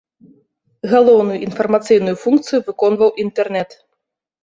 Галоўную інфармацыйную функцыю выконваў інтэрнэт.